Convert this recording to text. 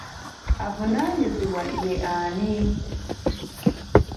Avunaanyizibwa ye ani?